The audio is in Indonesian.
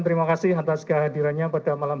terima kasih atas kehadirannya pada malam